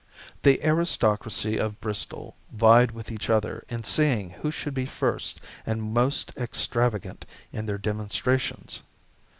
The aristocracy of Bristol vied with each other in seeing who should be first and most extravagant in their demonstrations.